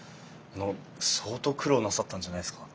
あの相当苦労なさったんじゃないですか？